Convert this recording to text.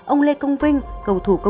ông lê công vinh